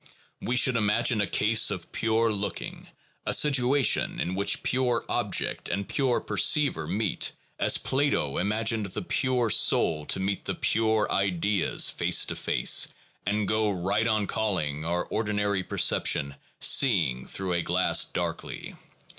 We should imagine a case of pure looking, a situation in which pure object and pure perceiver meet, as Plato imagined the pure soul to meet the pure ideas face to face; and go right on calling our or dinary perception seeing through a glass darkly.